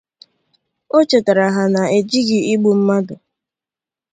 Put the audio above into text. O chètààrà ha na e jighị igbu mmadụ